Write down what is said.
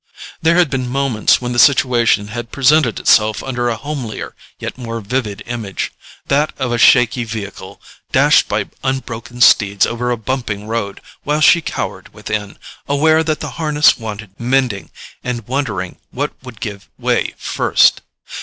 There had been moments when the situation had presented itself under a homelier yet more vivid image—that of a shaky vehicle, dashed by unbroken steeds over a bumping road, while she cowered within, aware that the harness wanted mending, and wondering what would give way first.